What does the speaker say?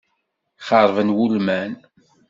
Xeṛben wulman.